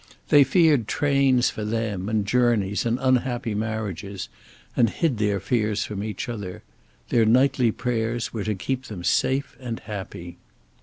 They feared trains for them, and journeys, and unhappy marriages, and hid their fears from each other. Their nightly prayers were "to keep them safe and happy."